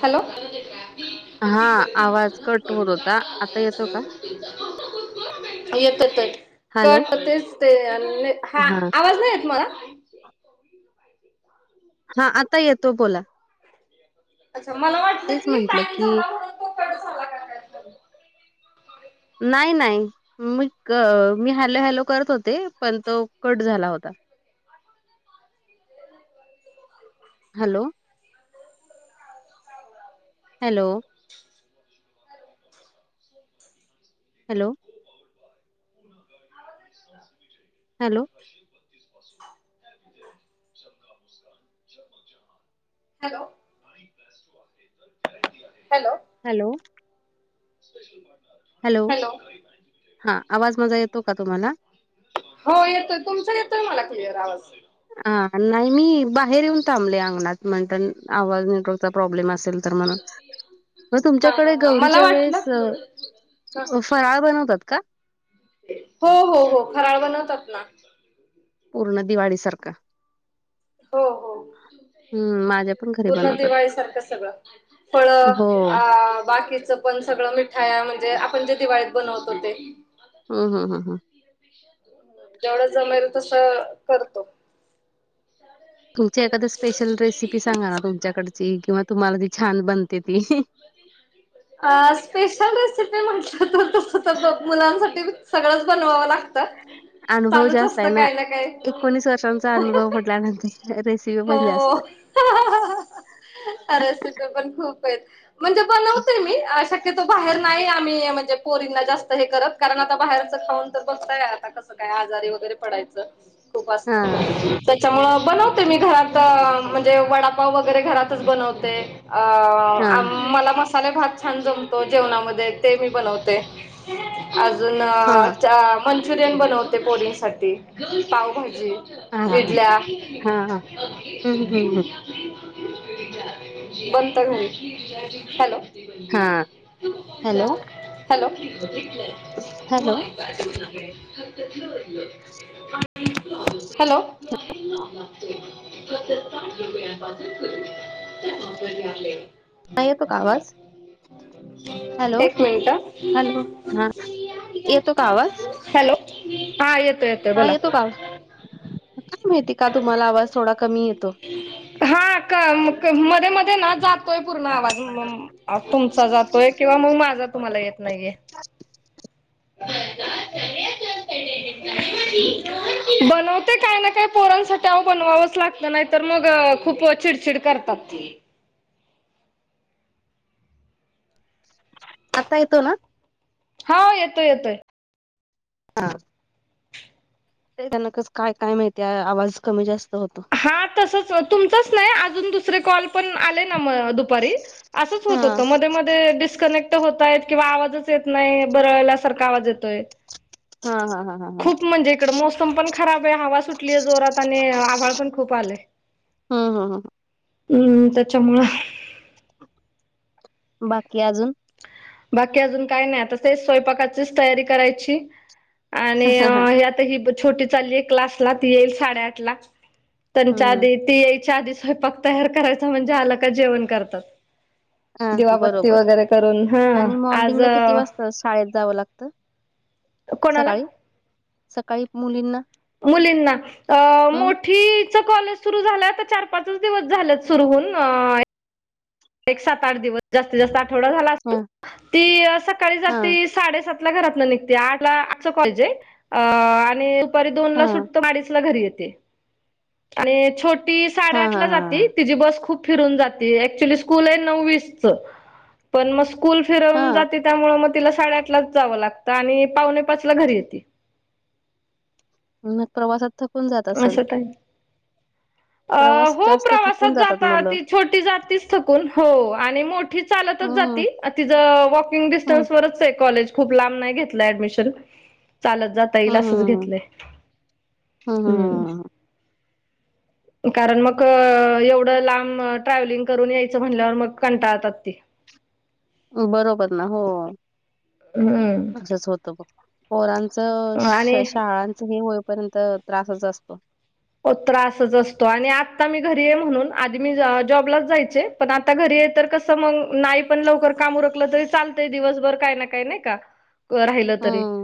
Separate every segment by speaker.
Speaker 1: Hello.
Speaker 2: हा, आवाज cut होत होता, आता येतो का?
Speaker 1: येतच आहे,
Speaker 2: हॅलो.
Speaker 1: कट तेच ते आणि हा, आवाज नाही मला.
Speaker 2: हा, आता येतो बोला.
Speaker 1: अच्छा, मला वाटलं
Speaker 2: तेच
Speaker 1: की
Speaker 2: म्हंटलं
Speaker 1: काही
Speaker 2: की
Speaker 1: झाला म्हणून तो कट झाला का काय हॅलो
Speaker 2: नाय, नाय, मी मी हॅलो, हॅलो करत होते, पण तो कट झाला होता. Hello. Hello. Hello.
Speaker 1: [inaudible]
Speaker 2: Hello.
Speaker 1: Hello. Hello.
Speaker 2: Hello.
Speaker 1: Special माट
Speaker 2: हॅलो हा, आवाज माझा येतो का तुम्हाला?
Speaker 1: हो, येतोय तुमचा येतोय मला क्लियर आवाज.
Speaker 2: हा, नाही मी बाहेर येऊन थांबले अंगणात, म्हणताना आवाज [unintelligible] चा प्रॉब्लेम असेल तर म्हणून. म
Speaker 1: हा हा
Speaker 2: तुमच्याकडे
Speaker 1: हा मला
Speaker 2: गौरीच्या
Speaker 1: वाटलं
Speaker 2: वेळेस
Speaker 1: हा
Speaker 2: फराळ बनवतात का?
Speaker 1: हो हो हो फराळ बनवतात ना.
Speaker 2: पूर्ण दिवाळीसारखा.
Speaker 1: हो, हो.
Speaker 2: हम्म माझ्या पण घ
Speaker 1: पूर्ण दिवाळी सारखं सगळं फळं
Speaker 2: हो.
Speaker 1: आ बाकीचं पण सगळं मिठाया म्हणजे आपण जे दिवाळीत बनवतो ते.
Speaker 2: हम्म हम्म हम्म हम्म.
Speaker 1: [unintelligible] जेवढ जमेल तसं करतो.
Speaker 2: तुमची एखाद्या स्पेशल रेसिपी सांगा ना, तुमच्याकडची किंवा तुम्हाला जी छान बनते ती. [inaudible]
Speaker 1: अ स्पेशल रेसिपी म्हटलं तर तसं तर मुलांसाठी सगळंच बनवावं लाग तत
Speaker 2: अनुभव जास्त आहे ना, एकोणीस वर्षांचा अनुभव पडल्यानंतर रेसिपी पण जास्त
Speaker 1: हो.
Speaker 2: आहे. [unintelligible]
Speaker 1: रेसिपी पण खूप आहेत, म्हणजे बनवते मी अशा चे तो बाहेर नाही आम्ही म्हणजे पोरींना जास्त हे करत, कारण आता बाहेरचा खाऊन तर बघताय आता कसं काय आजारी वगैरे पडायचं खूप
Speaker 2: हां,
Speaker 1: असतंय. त्याच्यामुळं बनवते मी घरात, म्हणजे वडापाव वगैरे घरातच बनवते. अ अम
Speaker 2: हां,
Speaker 1: मला मसाले भात छान जमतो, जेवणामध्ये ते मी बनवते. अजून
Speaker 2: हां,
Speaker 1: चा मनच्युरीयन बनवते पोरींसाठी. पावभाजी,
Speaker 2: हां,
Speaker 1: इडल्या.
Speaker 2: हां. हं, हं, हं, हं.
Speaker 1: बनतं घरी हॅलो.
Speaker 2: हां. Hello,
Speaker 1: hello.
Speaker 2: हॅलो. हां,
Speaker 1: हॅलो. [unintelligible]
Speaker 2: [unintelligible] येतो का आवाज? हॅलो,
Speaker 1: एक मिनटं.
Speaker 2: हॅलो. हां, येतो का आवाज?
Speaker 1: हॅलो, हा येतोय येतोय
Speaker 2: हां,
Speaker 1: बोला.
Speaker 2: येतो का? आवाज? काय माहिती का तुम्हाला आवाज थोडा कमी येतो.
Speaker 1: हा क म क मध्ये मध्ये ना जात तोय पूर्ण आवाज मम तुमचा जातोय किंवा मग माझा तुम्हाला येत नाहीये.
Speaker 2: [unintelligible]
Speaker 1: [unintelligible] बनवते काय ना काय पोरांसाठी अहो बनवावंच लागतं नाहीतर मग खूप चिडचिड करतात.
Speaker 2: आता येतो ना?
Speaker 1: हाव येतोय येतोय.
Speaker 2: हां. ते त्यांना कसं काय -काय माहिती आवाज कमी जास्त होतो.
Speaker 1: हा तसच तुमचाच नाही अजून दुसरे कॉल पण आले ना म दुपारी असंच होत
Speaker 2: हां,
Speaker 1: होतं मध्ये म धे डिस्कनेक्ट होतायत किंवा आवाजच येत नाही बरळल्यासारखा आवाज येतोय.
Speaker 2: हां, हां, हां, हां, हां.
Speaker 1: खूप म्हणजे इकडं मोसम पण खराब आहे, हवा सुटलीये जोरात आणि आभाळ पण खूप आलंय
Speaker 2: हं, हं, हं.
Speaker 1: हं त्याच्यामुळं
Speaker 2: बाकी अजून?
Speaker 1: बाकी अजून काय नाही, आता तेच स्वयंपाकाचीच तयारी करायची. आणि आता ही छोटी चाललीयं क्लासला ती येईल साडेआठ ला, तेच्या
Speaker 2: हम्म
Speaker 1: आधी ती यायच्या आधी स्वयंपाक तयार करायचा म्हणजे आलं का जेवण करतात.
Speaker 2: हा
Speaker 1: दिवा बत्ती
Speaker 2: बरोबर
Speaker 1: वगैरे करून. हा
Speaker 2: आणि
Speaker 1: आज
Speaker 2: मॉर्निंगला किती वाजता शाळेत जावं लागतं
Speaker 1: कोणाला
Speaker 2: सकाळी? सकाळी मुलींना
Speaker 1: मुलींना अ
Speaker 2: हं
Speaker 1: मो ठीचं कॉलेज सुरू झालंय आता चार- पाचच दिवस झालेत सुरु होऊन एक सात- आठ दिवस जास्तीत -जास्त आठवडा झाला असल
Speaker 2: हां
Speaker 1: ती सकाळी
Speaker 2: हां
Speaker 1: जाती साडेसात ला घरातनं निघते, आठ ला आठच कॉलेज आहे अ आणि दुपारी दोनला
Speaker 2: हां
Speaker 1: सुटतं, अडीच ला घरी येते आणि छो ती साडे
Speaker 2: हां
Speaker 1: आठला
Speaker 2: हां
Speaker 1: जाती
Speaker 2: हां
Speaker 1: तिची बस खूप फिरून जाती ऍक्च्युली स्कुल आहे नऊ वीस चं पण मग स्कुल फिरवून
Speaker 2: हां
Speaker 1: जाती त्यामुळे मग तिला साडेआठलाच जावं लागतं आणि पावणे पाचला घरी येते.
Speaker 2: मग प्रवासात थकून जात असंल?
Speaker 1: असं टाईम अ हो
Speaker 2: जास्त थकून
Speaker 1: प्रवासात
Speaker 2: जातात
Speaker 1: जाता
Speaker 2: मुलं
Speaker 1: ती छोटी जातीच थकून हो, आणि मोठी चालतच
Speaker 2: हम्म
Speaker 1: जाती अ तीजं वॉकिंग
Speaker 2: हं
Speaker 1: डिस्टन्सवरच आहे कॉलेज. खूप लांब नाही घेतलं ऍडमिशन, चालत जाता येईल असंच घेतलंय.
Speaker 2: ह, हा,
Speaker 1: हम्म
Speaker 2: हा, ह.
Speaker 1: कारण मग एवढं लांब ट्रॅव्हलिंग करून यायचं, म्हणल्यावर मग कंटाळतात ते.
Speaker 2: बरोबर ना हो.
Speaker 1: हं...
Speaker 2: असंच होतं बघ, पोरांचं
Speaker 1: आणि
Speaker 2: शाळांचं हे होईपर्यंत त्रासच असतो.
Speaker 1: हो त्रासच असतो आणि आत्ता मी घरी आहे म्हणून आधी मी जॉबलाच जायचे पण आता घरी आहे तर कस मग, नाही पण लवकर काम उरकलं तरी चालतं दिवसभर काय ना काही नाही का क राहिलं तरी
Speaker 2: हम्म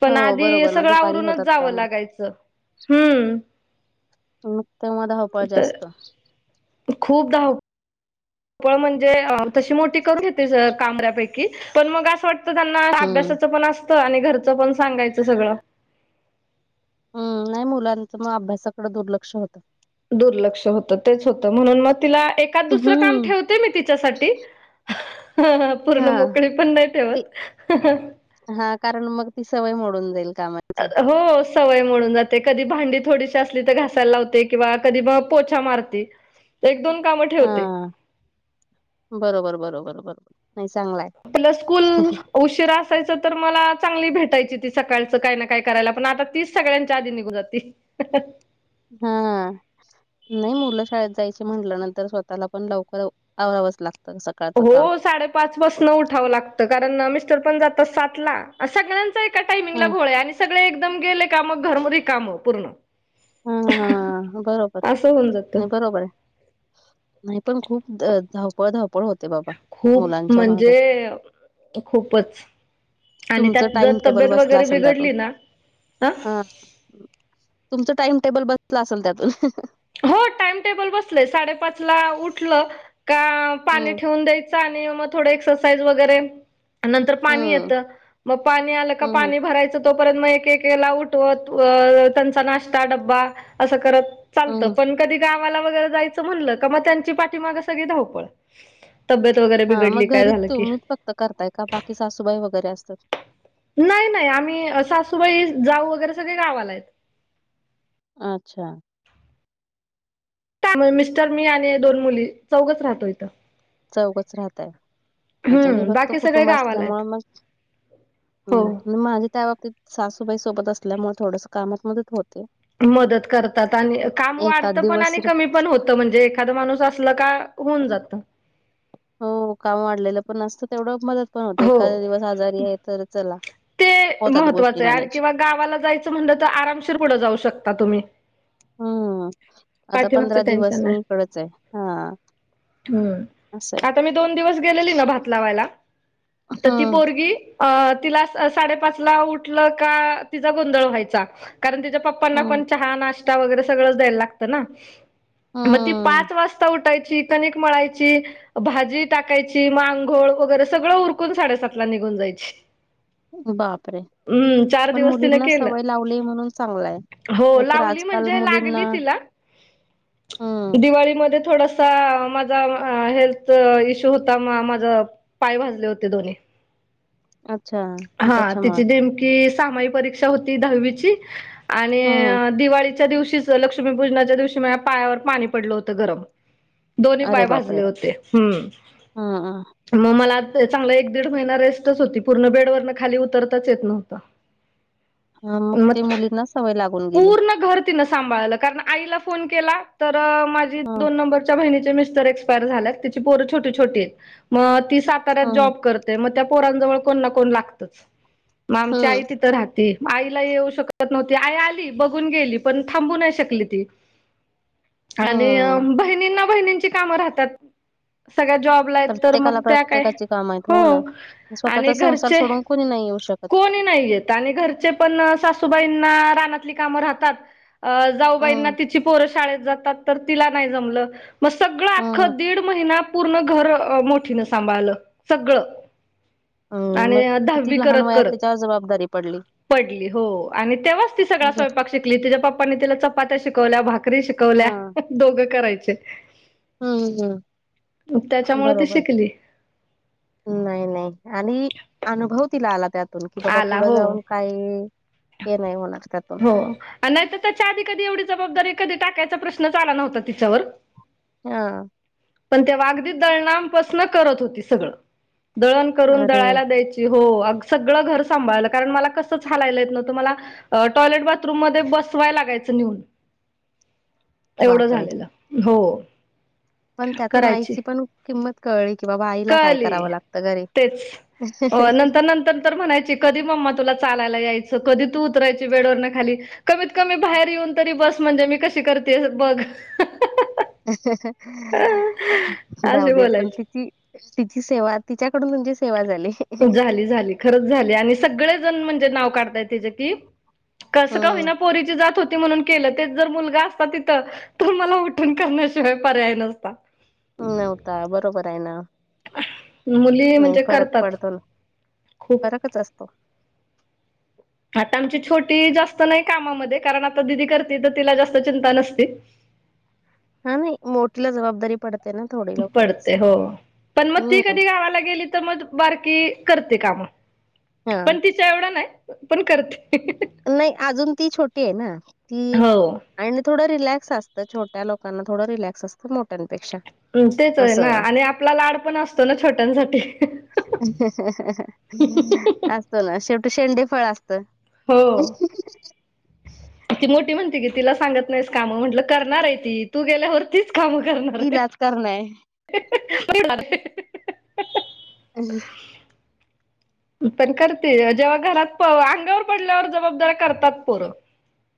Speaker 1: पण
Speaker 2: हो
Speaker 1: आधी
Speaker 2: बरोबर ना
Speaker 1: सगळं
Speaker 2: दुपारी
Speaker 1: आवरूनच
Speaker 2: होतात
Speaker 1: जावं
Speaker 2: काम
Speaker 1: लागायचं. हुं...
Speaker 2: नुकतं मग धावपळ
Speaker 1: तर
Speaker 2: जास्त.
Speaker 1: खूप धाव पळ म्हणजे तशी मोठी करून घेते, सगळं काम बऱ्यापैकी पण मग असं वाटतं त्यांचं त्यांना
Speaker 2: हम्म
Speaker 1: अभ्यासाचं पण असतं, आणि घरचं पण सांगायचं सगळं.
Speaker 2: ह नाही मुलांचं मग अभ्यासाकडं दुर्लक्ष होतं.
Speaker 1: दुर्लक्ष होतं, तेच होतं म्हणून मग तिला एखादं -दुसरं काम
Speaker 2: हम्म
Speaker 1: ठेव ते मी तिच्यासाठी,
Speaker 2: हा
Speaker 1: पूर्ण मोकळी पण नाही
Speaker 2: ते
Speaker 1: ठेवत.
Speaker 2: कारण मग ती सवय मोडून जाईल कामा
Speaker 1: हो सवय मोडून जाते, कधी भांडी थोडीशी असली तर घासायला लावते किंवा कधी मग पोछा मारते. एक- दोन कामं
Speaker 2: हा
Speaker 1: ठेवते.
Speaker 2: बरोबर बरोबर बरोबर नाही चांगलाय.
Speaker 1: आपल स्कूल. उशिरा असायचं तर मला चांगली भेटायची ती सकाळचं काय ना काय करायला पण आता तीच सगळ्यांच्या आधी निघून जातील. ''हं'' हं''
Speaker 2: ''हं'' नाही मुलं शाळेत जायची म्हटल्या नंतर स्वतःला पण लवकर आवरावंच लागतं सकाळी.
Speaker 1: हो, साडेपाच पासन उठावं लागतं कारण मिस्टर पण जातात सातला. सगळ्यांचा एका
Speaker 2: हा
Speaker 1: टायमिंगला गोळ आणि सगळे एकदम गेले का मग घर रिकाम पूर्ण.
Speaker 2: हा हा, बरोबर
Speaker 1: असं होऊन जातं
Speaker 2: नाही बरोबर आहे. नाही पण खूप धावपळ धावपळ होती.
Speaker 1: खूप म्हणजे खूपच. आणि
Speaker 2: तुमचं
Speaker 1: त्यात जर
Speaker 2: टाइम टेबल
Speaker 1: तब्येत
Speaker 2: बसला
Speaker 1: वगैरे
Speaker 2: असेल त्यातून
Speaker 1: बिघडली अ.
Speaker 2: हा तुमचं टाइम टेबल बसलं असेल त्यात.
Speaker 1: हो टाइम टेबल बसलय साडेपाच ला उठलं का पाणी
Speaker 2: हम्म
Speaker 1: ठेवून द्यायच. [unintelligible] आणि मग थो एक्सरसाईइज वगैरे नंतर पाणी
Speaker 2: हम्म
Speaker 1: येतं मग पाणी आलं का
Speaker 2: हम्म
Speaker 1: पाणी भरायचं. तो पर्यंत मग एक एक आला उठवत अ त्यांचा नाश्ता डब्बा असं करत. चालतं
Speaker 2: हम्म.
Speaker 1: पण कधी गावाला वगैरे जायचं म्हणलं का मग त्यांची पाठीमाग सगळी धावपळ. तब्येत वगैरे
Speaker 2: हां,
Speaker 1: बिघडली
Speaker 2: मग
Speaker 1: काय
Speaker 2: घरी
Speaker 1: झालं की,
Speaker 2: तुम्हीच फक्त करताय का बाकी सासूबाई वगैरे असतात.
Speaker 1: नाही नाही आम्ही सासूबाई जाऊ वगैरे सगळे गावाला आहेत.
Speaker 2: अच्छा.
Speaker 1: त्यामुळे मिस्टर मी आणि दोन मुली चौघच राहतो इथं.
Speaker 2: चौकच राहतय म्हनजे
Speaker 1: हम्म
Speaker 2: विभक्त
Speaker 1: बाकी सगळे
Speaker 2: कुटुंब
Speaker 1: गावाला
Speaker 2: असल्यामुळे
Speaker 1: आहेत
Speaker 2: मग.
Speaker 1: हो
Speaker 2: हम्, माझ्या त्या बाबतीत सासूबाई सोबत असल्यामुळे थोडस कामात मध्येत होते.
Speaker 1: मदत करतात आणि काम वाढतं
Speaker 2: एखाद
Speaker 1: पण
Speaker 2: दिवस
Speaker 1: आणि
Speaker 2: र
Speaker 1: कमी पण होतं म्हणजे एखादा माणूस असला का. होऊन जातं.
Speaker 2: हो काम वाढलेलं पण नसतं तेवढं मदत पण होते.
Speaker 1: हो
Speaker 2: एखाद दिवस आजारी आहे. तर चला
Speaker 1: ते
Speaker 2: होतात गोष्टी
Speaker 1: महत्त्वाचं आहे आणि
Speaker 2: मॅनेज.
Speaker 1: किंवा गावाला जायचं म्हणलं तर आरामशीर पुढं जाऊ शकता तुम्ही.
Speaker 2: हम्म, आता
Speaker 1: पाठीमागचं
Speaker 2: पंधरा दिवस
Speaker 1: टेन्शन नाही
Speaker 2: मी इकडच आहे हा,
Speaker 1: हम्म, आता मी दोन दिवस गेलेली ना भात लावायला तर ती
Speaker 2: हं,
Speaker 1: पोरगी. अ तिला साडेपाच ला उठलं का तिचा गोंधळ व्हायचा. कारण तिच्या पप्पांना
Speaker 2: हं,
Speaker 1: पण चहा नाश्ता वगैरे सगळंच द्यायला लागतं ना. मग ती
Speaker 2: हं.
Speaker 1: पाच वाजता उठायची कणिक मळायची. भाजी टाकायची मांघोळ वगैरे सगळं उरकून साडेसातला निघून जायची.
Speaker 2: बापरे
Speaker 1: हम्म चार
Speaker 2: पण
Speaker 1: दिवस तिन
Speaker 2: मुलींना
Speaker 1: केलं
Speaker 2: सवय लावलीय म्हणून चांगलाय हाय.
Speaker 1: हो लावली म्हणजे लागली तिला
Speaker 2: हं,
Speaker 1: दिवाळीमध्ये थोडस. अस माझा हेल्थ इश्यू होता म माझ पाय भाजले होते दोन्ही.
Speaker 2: अच्छा. मग
Speaker 1: हा,
Speaker 2: त्याच्यामुळे.
Speaker 1: तिची नेमकी सामावी परीक्षा होती दहावीची. आणि
Speaker 2: हं,
Speaker 1: दिवाळीच्या दिवशीच लक्ष्मीपूजनाच्या दिवशी म पायावर पाणी पडलं होतं गरम. दोन्ही
Speaker 2: अरे
Speaker 1: पाय
Speaker 2: बापरे!
Speaker 1: भाजले होते हम्म,
Speaker 2: हं, हं.
Speaker 1: मग मला चांगला एक दीड महिना रेस्टच होती पूर्ण बेड. बेडवर न खाली उतरताच येत नव्हं.
Speaker 2: ह मग ते मुलींना सवय लागून गेली.
Speaker 1: तिला सांभाळायला, कारण आईला फोन केला तर माझी
Speaker 2: हं,
Speaker 1: दोन नंबर तिच्यां बहिणी चे मिस्टर इक्सपायार झाल्यात, तिचे पोर छोटी छोटी हेत म ती साताऱ्यात
Speaker 2: हं,
Speaker 1: जॉब कर ते म त्या पोरांजवळ कोण ना कोण लागतच म आमची आई
Speaker 2: हं,
Speaker 1: तिथं राहती. मं आईला येऊ शकत नव्हती, आई आली बघून गेली पण थांबू नाही शकली ती. आणि
Speaker 2: हं.
Speaker 1: बहिणीना बहिणीची काम राहतात सगळ्या जॉब.
Speaker 2: प्रत्येकाला प्रत्येकाची काम आहेत, हो ना
Speaker 1: आणि
Speaker 2: स्वतःचा संसार
Speaker 1: घरचे
Speaker 2: सोडून कोणी नाही येऊ शक
Speaker 1: कोणी नाही येत, आणि घरचे पण सासूबाईंना रानातली कामं राहतात. अ जाऊबाईंना
Speaker 2: हं,
Speaker 1: तिची पोरं शाळेत जातात, तर तिला नाही जमलं. म सगळं
Speaker 2: हं,
Speaker 1: आख्खं दीड महिना पूर्ण घर मोठीण सांभाळलं सगळं,
Speaker 2: हं. मग
Speaker 1: आणि दहा
Speaker 2: किती
Speaker 1: वी
Speaker 2: लहान
Speaker 1: करत
Speaker 2: वयात
Speaker 1: करत
Speaker 2: त्याच्यावर जबाबदारी पडली.
Speaker 1: पडली, हो आणि तेव्हाच ती सगळा
Speaker 2: बरं
Speaker 1: स्वयंपाक शिकली. तिच्या पप्पानी तिला चपात्या शिकवल्या, भाकरी शिकवल्या,
Speaker 2: हां.
Speaker 1: दोघं करायचे.
Speaker 2: हं, हं.
Speaker 1: न त्याच्यामुळे ती
Speaker 2: बरोबर.
Speaker 1: शिकली.
Speaker 2: नाही नाही आणि अनुभव तीला आला त्यातून, कि बाबा
Speaker 1: आला
Speaker 2: पुढं
Speaker 1: हो.
Speaker 2: जाऊन काही हे नाही होणार त्यात.
Speaker 1: हो अन नाही त त्याच्या आधी कधी एवढी जबाबदारी कधी टाकायचा प्रश्नच आला नव्हता तिच्यावर.
Speaker 2: हा!
Speaker 1: पण तेवा आगदी दळनानपासन करत होती सगळं, दळण करून
Speaker 2: अरे
Speaker 1: दळायला द्याय ची हो आग सगळं घर सांभाळलं, कारण मला कसंचं हालायला येत नव्हतं मला. अ टॉयलेट बाथरूम मध्ये बसवाय लागायचं निऊन, एवढं
Speaker 2: बापरे!
Speaker 1: झालेलं. हो!
Speaker 2: पण त्यातून
Speaker 1: करायची
Speaker 2: आईची पण किंमत कळली कि बा बा आईला काय
Speaker 1: कळली
Speaker 2: करावं लागत घरीे.
Speaker 1: तेच अ नंतर नंतर म्हणायची. कधी मम्मा तुला चालायला यायचं, कधी तू उतरायची बेडवरन खाली? कमीत कमी बाहेर येऊन तरी बस, म्हणजे मी कशी करतेयं बघ.
Speaker 2: जाऊ
Speaker 1: अशी
Speaker 2: दे पण
Speaker 1: बोलायची
Speaker 2: तिची! तिची सेवा तिच्याकडून म्हणजे सेवा झाली.
Speaker 1: झाली झाली खरंच झाली, आणि सगळे जण म्हणजे नाव काढताय तिचे की. कसं का होईना
Speaker 2: हम्म
Speaker 1: पोरीची जात होती म्हणून केलं, तेच जर मुलगा असत तिथं. तर मला उठून करण्याशिवाय पर्याय नव्हता.
Speaker 2: नव्हता बरोबर आहे ना.
Speaker 1: मुली
Speaker 2: नाही
Speaker 1: म्हणजे
Speaker 2: फरक
Speaker 1: करतात.
Speaker 2: पडतो ना
Speaker 1: खूप
Speaker 2: फरकच असतो.
Speaker 1: आता आमची छोटी जास्त नाही कामामध्ये, कारण आता दिदी करते तर तिला जास्त चिंता नसती.
Speaker 2: हा नाही मोठीला जबाबदारी पडते ना! थोडी लवकरच.
Speaker 1: पडते हो पण म ती
Speaker 2: हम्म
Speaker 1: कधी गावाला गेली. त म बारकी करते काम,
Speaker 2: हा
Speaker 1: पण तिच्या एवढ नाही पण करते.
Speaker 2: नही अजून ती छोटी आहे ना ती?
Speaker 1: हो
Speaker 2: आणि थोडं रिलॅक्स असतं, छोट्या लोकांना थोडं रिलॅक्स असतं मोठ्यांपेक्षा.
Speaker 1: अ तेच हं ना
Speaker 2: असं.
Speaker 1: आणि आपला लाड पण असतो ना छोट्यांसाठी.
Speaker 2: असतो ना शेवटी शेंडी फळ असत.
Speaker 1: हो! ती मोठी म्हणती की तिला सांगत नाहीस कामं, म म्हटलं करणार आहे ती तू गेल्यावर तीच काम करणार आहे.
Speaker 2: तिलाच करणय हम्म.
Speaker 1: पण करते जेव्हा घरात अंगावर पडल्यावर जबाबदाऱ्या करतात पोर.